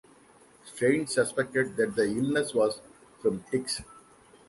Strain suspected that the illness was from ticks.